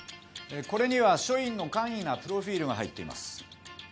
これには署員の簡易なプロフィルが入ってます。